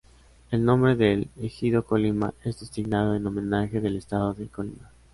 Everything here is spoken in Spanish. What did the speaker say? El nombre del ejido Colima, es designado en homenaje del estado de: Colima.